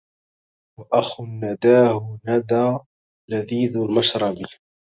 وأخ نداه ندى لذيذ المشرب